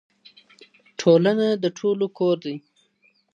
ټولنه د ټولو کور دی.